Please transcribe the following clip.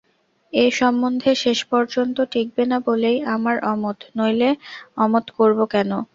এ সম্বন্ধে শেষ পর্যন্ত টিঁকবে না বলেই আমার অমত, নইলে অমত করব কেন?